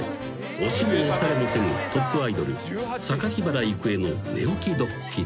［押しも押されもせぬトップアイドル榊原郁恵の寝起きドッキリ］